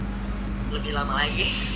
lebih lama lagi